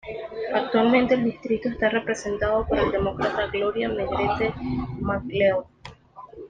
Actualmente el distrito está representado por la Demócrata Gloria Negrete McLeod.